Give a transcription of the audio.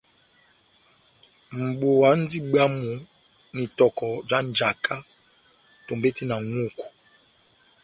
Mʼbuwa múndi bwámu na itɔkɔ já njaka tombete na ŋʼhúku,